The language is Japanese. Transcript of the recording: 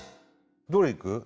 どれいく？